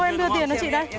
rồi em đưa tiền rồi chị đây